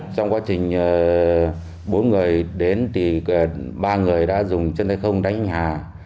trong quá trình bốn người đến thì ba người đã dùng chân tay không đánh hà